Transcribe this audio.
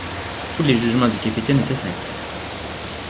Tous les jugements du capitaine étaient sincères.